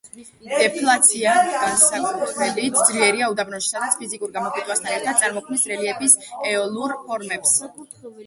დეფლაცია განსაკუთრებით ძლიერია უდაბნოში, სადაც ფიზიკურ გამოფიტვასთან ერთად წარმოქმნის რელიეფის ეოლურ ფორმებს.